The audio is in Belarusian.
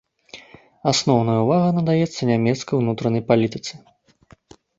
Асноўная ўвага надаецца нямецкай унутранай палітыцы.